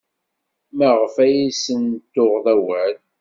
Maɣef ay asen-tuɣeḍ awal?